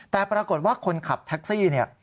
แต่ปรากฏว่าคนขับแท็กซี่เนี่ย